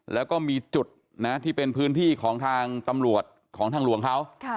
แล้วก็มีจุดนะที่เป็นพื้นที่ของทางตำรวจของทางหลวงเขา